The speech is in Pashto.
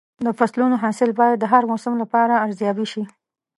د فصلونو حاصل باید د هر موسم لپاره ارزیابي شي.